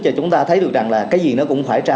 là chúng ta thấy được rằng là cái gì nó cũng khỏe ra